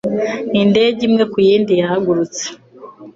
Indege imwe ku yindi yahagurutse.